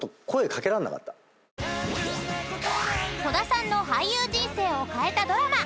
［戸田さんの俳優人生を変えたドラマ］